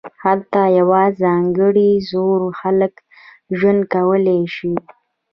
هلته یوازې ځانګړي زړور خلک ژوند کولی شي